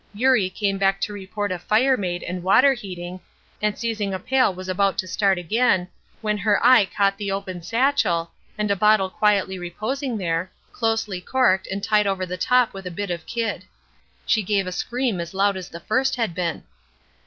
Eurie came back to report a fire made and water heating, and seizing a pail was about to start again, when her eye caught the open satchel, and a bottle quietly reposing there, closely corked and tied over the top with a bit of kid; she gave a scream as loud as the first had been.